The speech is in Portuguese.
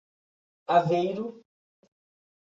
Aveiro